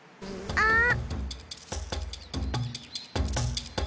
あっ！